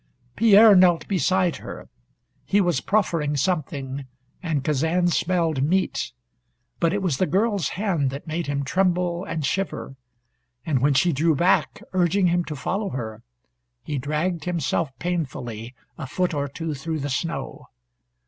Pierre knelt beside her. He was proffering something, and Kazan smelled meat. But it was the girl's hand that made him tremble and shiver, and when she drew back, urging him to follow her, he dragged himself painfully a foot or two through the snow.